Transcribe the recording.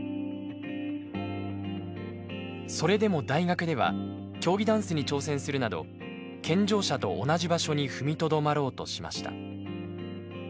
それでも大学では競技ダンスに挑戦するなど健常者と同じ場所に踏みとどまろうとしました。